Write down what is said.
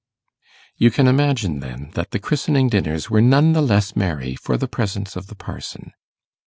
You can imagine, then, that the christening dinners were none the less merry for the presence of the parson.